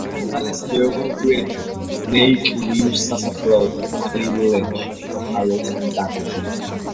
დაკრძალეს მეუღლის გვერდით, ლეიკ-ვიუს სასაფლაოზე კლივლენდში, ოჰაიოს შტატში.